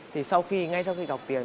thì sau khi ngay sau khi cọc tiền